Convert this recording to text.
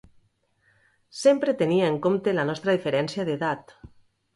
Sempre tenia en compte la nostra diferència d'edat.